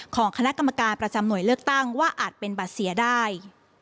ของคณะกรรมการประจำหน่วยเลือกตั้งว่าอาจเป็นบัตรเสียได้